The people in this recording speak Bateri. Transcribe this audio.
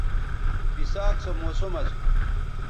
بِساک سو موسم اسو